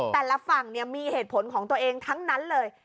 แต่ละฝั่งมีเหตุผลของตัวเองทั้งนั้นเลย